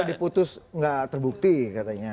artinya sudah diputus tidak terbukti katanya